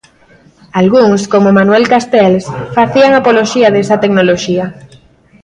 Algúns, como Manuel Castells, facían apoloxía desa tecnoloxía.